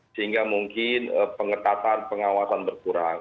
sehingga mungkin pengetatan pengawasan berkurang